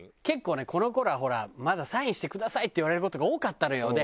結構ねこの頃はほらまだサインしてくださいって言われる事が多かったのよ。